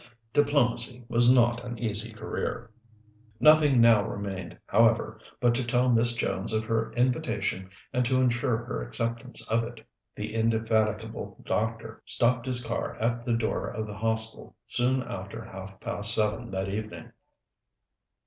Diplomacy was not an easy career. Nothing now remained, however, but to tell Miss Jones of her invitation and to insure her acceptance of it. The indefatigable doctor stopped his car at the door of the Hostel soon after half past seven that evening.